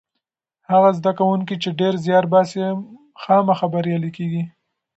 هغه زده کوونکی چې ډېر زیار باسي خامخا بریالی کېږي.